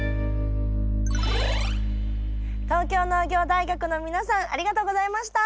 東京農業大学の皆さんありがとうございました！